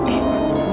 tidak tidak bisa